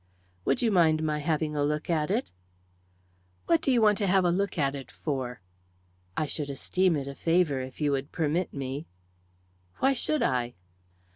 "Would you mind my having a look at it?" "What do you want to have a look at it for?" "I should esteem it a favour if you would permit me." "Why should I?"